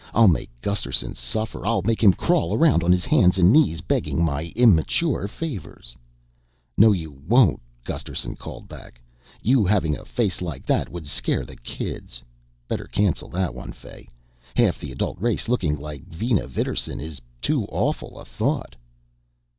"I'll make Gusterson suffer. I'll make him crawl around on his hands and knees begging my immature favors." "No, you won't," Gusterson called back. "You having a face like that would scare the kids. Better cancel that one, Fay. Half the adult race looking like Vina Vidarsson is too awful a thought."